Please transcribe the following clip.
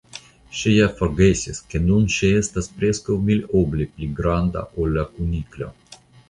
Ŝi ja forgesis ke nun ŝi estas preskaŭ miloble pli granda ol la Kuniklo.